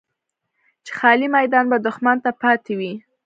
چې خالي میدان به دښمن ته پاتې وي.